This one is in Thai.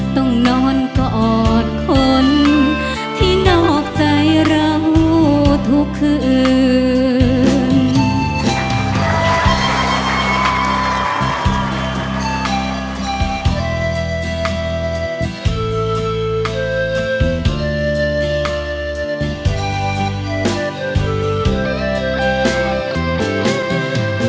ต้องนอนกอดคนที่นอกใจเราทุกคืน